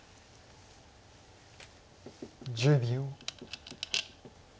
１０秒。